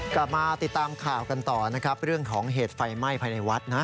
กลับมาติดตามข่าวกันต่อนะครับเรื่องของเหตุไฟไหม้ภายในวัดนะ